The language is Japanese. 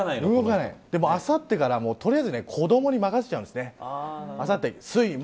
でも、あさってから取りあえず子どもに任せちゃうんです。